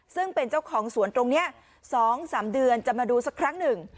ซึ่งเป็นเจ้าของสวนตรงนี้๒๓เดือนจะมาดูสักครั้งหนึ่ง